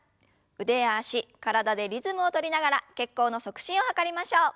腕や脚体でリズムを取りながら血行の促進を図りましょう。